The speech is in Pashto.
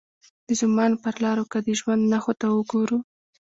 د زمان پر لارو که د ژوند نښو ته وګورو.